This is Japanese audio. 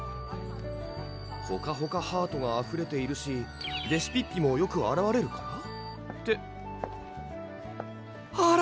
ほかほかハートがあふれているしレシピッピもよくあらわれるから？